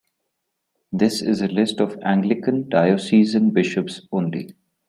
This is a list of Anglican Diocesan Bishops only.